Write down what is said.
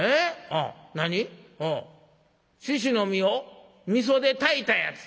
猪の身をみそで炊いたやつ。